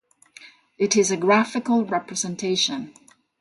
It is a graphical representation.